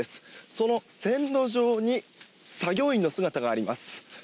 その線路上に作業員の姿があります。